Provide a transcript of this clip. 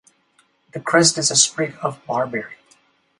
The crest is a sprig of barberry.